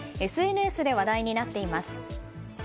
ＳＮＳで話題になっています。